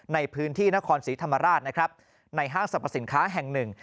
ในพื้นที่นครศรีธรรมราชนะครับในห้างสรรพสินค้าแห่งหนึ่ง